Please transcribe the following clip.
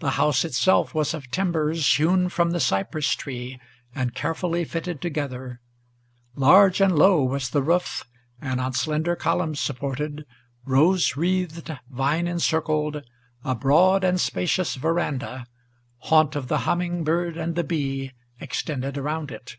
The house itself was of timbers Hewn from the cypress tree, and carefully fitted together. Large and low was the roof; and on slender columns supported, Rose wreathed, vine encircled, a broad and spacious veranda, Haunt of the humming bird and the bee, extended around it.